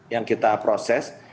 yang kita proses